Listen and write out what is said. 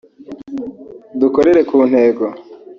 dukorere ku ntego